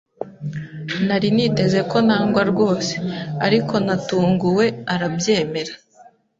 Nari niteze ko nangwa rwose, ariko natunguwe arabyemera.